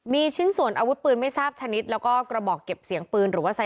มีชิ้นส่วนอาวุธปืนไม่ทราบชนิดแล้วก็กระบอกเก็บเสียงปืนหรือว่าใส่